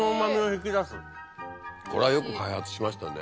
これはよく開発しましたね。